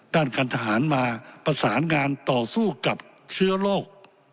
ด้านการทหารมาประสานงานต่อสู้กับเชื้อโรค